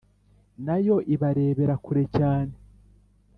na yo ibarebera kure cyane